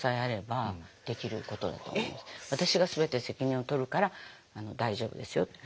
私が全て責任を取るから大丈夫ですよって。